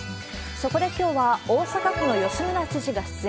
そこできょうは、大阪府の吉村知事が出演。